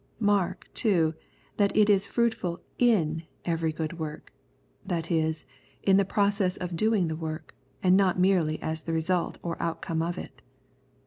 Mark, too, that it is " fruitful in every good work," that is, in the process of doing the work, and not merely as the result or outcome of it.